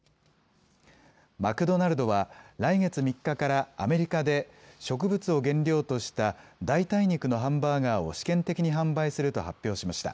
マクドナルドは来月３日からアメリカで植物を原料とした代替肉のハンバーガーを試験的に販売すると発表しました。